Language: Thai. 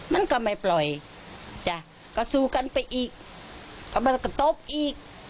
มันก็ไม่ปล่อยจ้ะก็สู้กันไปอีกก็มันก็ตบอีก